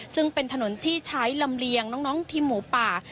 ซึ่งเป็นถนนที่ใช้ลำเลียงน้องทีมหมูป่า